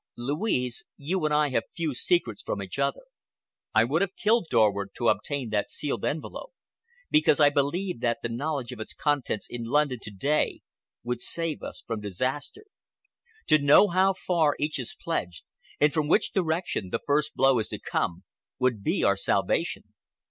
"Louise, you and I have few secrets from each other. I would have killed Dorward to obtain that sealed envelope, because I believe that the knowledge of its contents in London to day would save us from disaster. To know how far each is pledged, and from which direction the first blow is to come, would be our salvation."